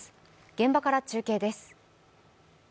現場から中継です。